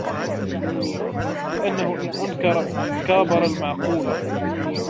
لِأَنَّهُ إنْ أَنْكَرَ كَابَرَ الْمَعْقُولَ